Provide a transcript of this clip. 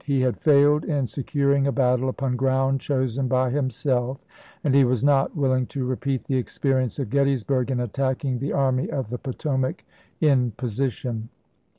He had failed in securing a battle upon ground chosen by himself and he was not will ing to repeat the experience of Gettysburg in attacking the Army of the Potomac in position.